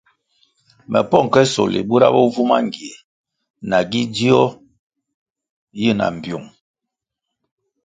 Me pong ke sohli bura bo vu mangie nagi dzio yi na mbpyung.